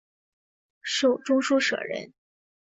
授中书舍人。